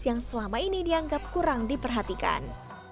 yang selama ini dianggap kurang diperhatikan